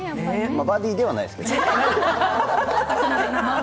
バディではないですけどね。